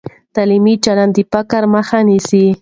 تعلیمي چلند د فقر مخه نیسي.